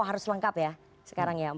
harus lengkap ya